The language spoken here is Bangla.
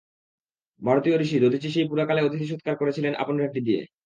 ভারতীয় ঋষি দধিচী সেই পুরাকালে অতিথি সৎকার করেছিলেন আপন হাড্ডি দিয়ে।